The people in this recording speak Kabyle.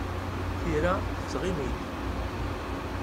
Tira tettɣimi-d.